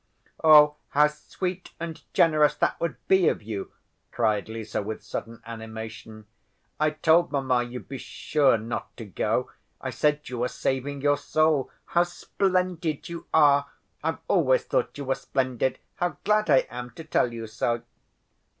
"Oh, how sweet and generous that would be of you!" cried Lise with sudden animation. "I told mamma you'd be sure not to go. I said you were saving your soul. How splendid you are! I've always thought you were splendid. How glad I am to tell you so!"